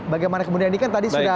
bagaimana kemudian ini kan tadi sudah